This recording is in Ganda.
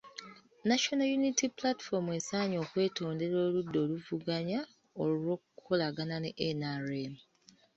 National Unity Platform esaanye okwetondera oludda oluvuganya olw’okukolagana ne NRM.